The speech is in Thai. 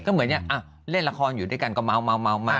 ก็เหมือนเนี่ยเล่นละครอยู่ด้วยกันก็เมามา